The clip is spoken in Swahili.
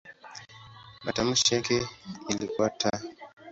Matamshi yake ilikuwa "t".